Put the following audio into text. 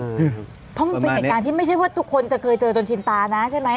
เพราะมันเป็นเหตุการณ์ที่ไม่ใช่ว่าทุกคนจะเคยเจอจนชินตานะใช่ไหม